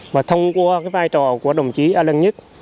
và thông qua vai trò của đồng chí alan nhất